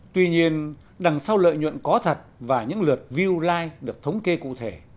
tuy nhiên đằng sau lợi nhuận có thật và những lượt view like được thống kê cụ thể